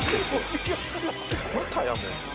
またやもう。